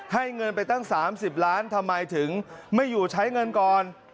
เงินไปตั้ง๓๐ล้านทำไมถึงไม่อยู่ใช้เงินก่อน